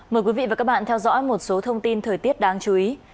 mời quý vị và các bạn theo dõi một số thông tin thời tiết đáng chú ý